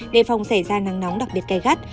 đề phòng xảy ra nắng nóng đặc biệt gai gắt